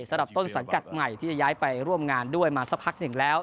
สำหรับต้นสังกัดใหม่ที่จะย้ายไปร่วมงานด้วยมาสักพักหนึ่งแล้ว